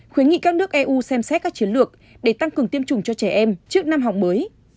khuyến nghị các nước eu xem xét các chiến lược để tăng cường tiêm chủng cho trẻ em trước năm học mới